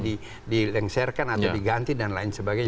dilengsarkan atau diganti dan lain sebagainya